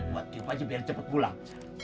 buat tiup aja biar cepet pulang